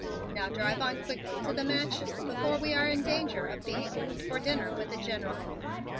Now drive on quickly to the Mansion before we are in danger of being late for dinner with the General.